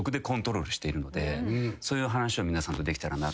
そういう話を皆さんとできたらな。